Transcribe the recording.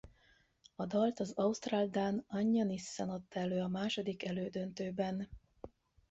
A dalt az ausztrál–dán Anja Nissen adta elő a második elődöntőben.